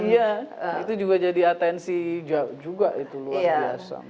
iya itu juga jadi atensi juga itu luar biasa